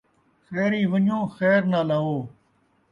خیریں ونڄو، خیر نال آؤ